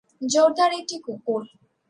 জোরদার একটি কুকুর।